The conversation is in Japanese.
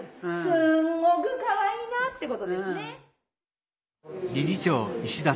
すんごくかわいいなってことですね。